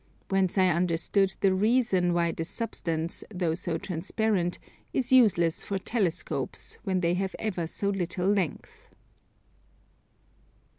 Whence I understood the reason why this substance, though so transparent, is useless for Telescopes, when they have ever so little length.